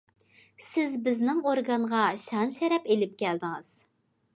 سىز بىزنىڭ ئورگانغا شان- شەرەپ ئېلىپ كەلدىڭىز.